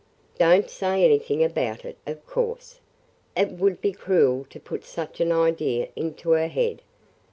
"Don't say anything about it, of course. It would be cruel to put such an idea into her head.